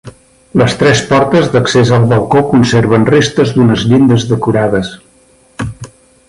Les tres portes d'accés al balcó conserven restes d'unes llindes decorades.